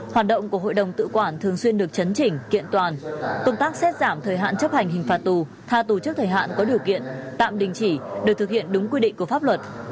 hoạt động của hội đồng tự quản thường xuyên được chấn chỉnh kiện toàn công tác xét giảm thời hạn chấp hành hình phạt tù tha tù trước thời hạn có điều kiện tạm đình chỉ được thực hiện đúng quy định của pháp luật